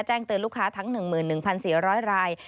เตือนลูกค้าทั้ง๑๑๔๐๐ราย